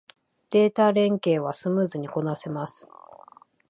データ連携はスムーズにこなせます